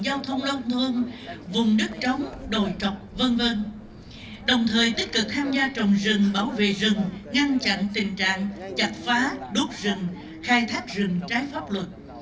đồng thời tích cực tham gia trồng rừng bảo vệ rừng ngăn chặn tình trạng chặt phá đốt rừng khai thác rừng trái pháp luật